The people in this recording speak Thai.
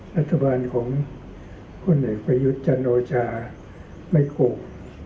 รัฐบาลของคนเหลือไปยุทธ์จันโอชาไม่โกง